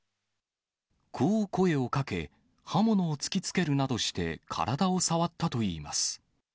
こう声をかけ、刃物を突きつけるなどして、体を触ったといいます。